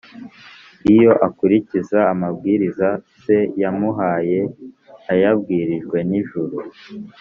iyo akurikiza amabwiriza se yamuhaye ayabwirijwe n’ijuru,